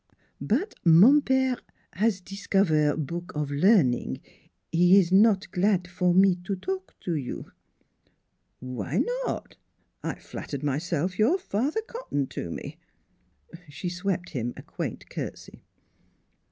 ... But mon pere has discover book of learning. He is not glad for me talk to you." "Why not? I flattered myself your father cottoned to me." She swept him a quaint curtsy.